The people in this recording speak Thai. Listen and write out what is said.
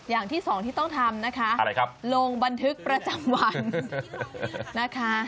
อย่างที่สองที่ต้องทำนะคะลงบันทึกประจำวันนะคะ